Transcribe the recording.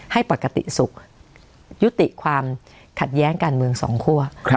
ให้ปกติสุขยุติความขัดแย้งการเมืองสองคั่ว